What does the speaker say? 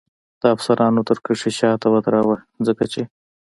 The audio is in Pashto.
د افسرانو تر کرښې شاته ودراوه، څنګه چې.